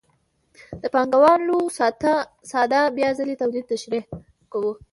د پانګوالۍ ساده بیا ځلي تولید تشریح کوو